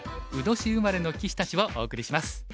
卯年生まれの棋士たち」をお送りします。